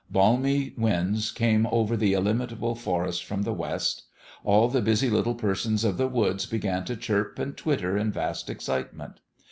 Balmy winds came over the il limitable forest from the west. All the busy little persons of the woods began to chirp and twitter in vast excitement.